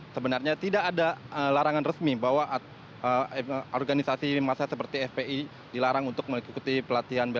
sebenarnya tidak ada larangan resmi bahwa organisasi masa seperti fpi dilarang untuk mengikuti pelatihan